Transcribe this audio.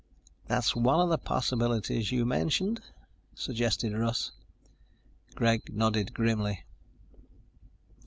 "That's one of the possibilities you mentioned," suggested Russ. Greg nodded grimly.